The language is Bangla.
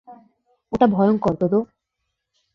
ওটা ভয়ংকর, তোদো!